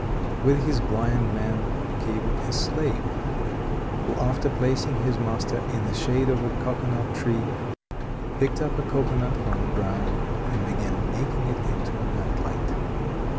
With this blind man came a slave, who after placing his master in the shade of a cocoanut tree, picked up a cocoanut from the ground, and began making it into a night light.